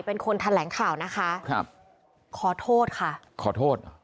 เป็นคนแถลงข่าวนะคะครับขอโทษค่ะขอโทษเหรอ